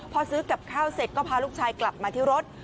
พอซื้อกับข้าวเสร็จก็พาลูกชายกลับมาที่รถ